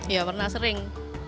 ya pernah sering